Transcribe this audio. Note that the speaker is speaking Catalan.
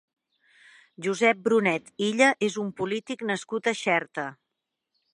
Josep Brunet Illa és un polític nascut a Xerta.